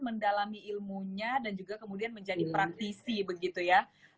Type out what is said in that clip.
mendalami ilmunya dan juga kemudian menjadi praktisi begitu ya